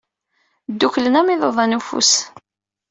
Dduklen am yiḍudan n ufus.